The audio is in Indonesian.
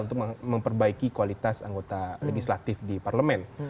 untuk memperbaiki kualitas anggota legislatif di parlemen